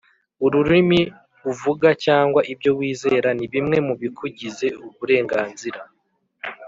ururimi uvuga cyangwa ibyo wizera. ni bimwe mubikugize. uburenganzira